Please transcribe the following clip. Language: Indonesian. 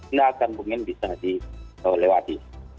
ini akan mungkin bisa dilewati